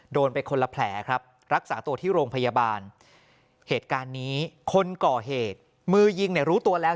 โดนไปคนละแผลครับรักษาตัวที่โรงพยาบาลเหตุการณ์นี้คนก่อเหตุมือยิงเนี่ยรู้ตัวแล้ว